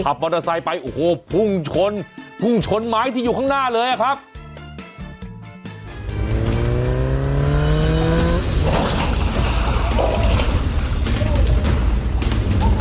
มอเตอร์ไซค์ไปโอ้โหพุ่งชนพุ่งชนไม้ที่อยู่ข้างหน้าเลยอะครับ